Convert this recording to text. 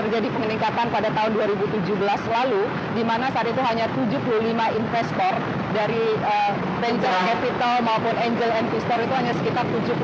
terjadi peningkatan pada tahun dua ribu tujuh belas lalu di mana saat itu hanya tujuh puluh lima investor dari venture capital maupun angel investor itu hanya sekitar tujuh puluh delapan